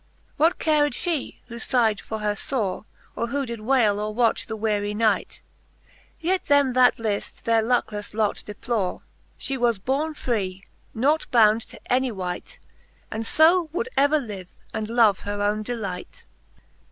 ' What cared fhe, who fighed for her fore, Or who did wayle or watch the wearie night ? Let them, that lift, their luckleffe lot deplore; She was borne free, not bound to any wight, And fo would ever live, and love her owne delight.